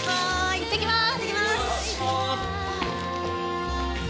行ってきます！